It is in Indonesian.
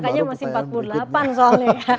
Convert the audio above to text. mungkin angkanya masih empat puluh delapan soalnya